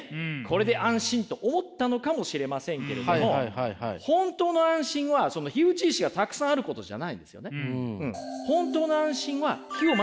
これで安心と思ったのかもしれませんけれども本当の安心はその火打ち石がたくさんあることじゃないんですよね。